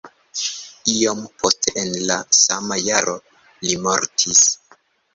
Iom poste en la sama jaro li mortis.